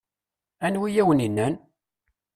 Anwa i awen-innan?